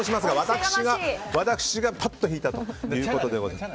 私がぱっと引いたということでございます。